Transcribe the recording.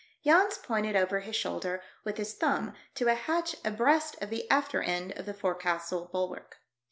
Jans pointed over his shoulder with his thumb to a hatch abreast of the after end of the forecastle bulwark.